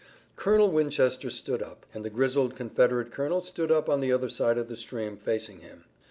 Colonel Winchester stood up, and the grizzled Confederate colonel stood up on the other side of the stream, facing him.